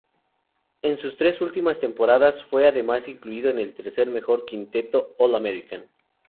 En sus tres últimas temporadas fue además incluido en el tercer mejor quinteto All-American.